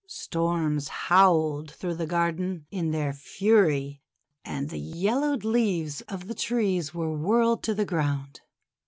Storms howled through the garden in their fury, and the yellowed leaves of the trees were whirled to the ground.